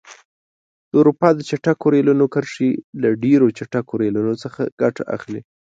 د اروپا د چټکو ریلونو کرښې له ډېرو چټکو ریلونو څخه ګټه اخلي.